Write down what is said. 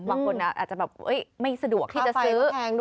บางคนอาจจะแบบไม่สะดวกที่จะซื้อ